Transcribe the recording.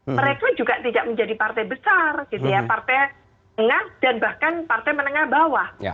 mereka juga tidak menjadi partai besar gitu ya partai tengah dan bahkan partai menengah bawah